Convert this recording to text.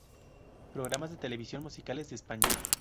Programas de televisión musicales de España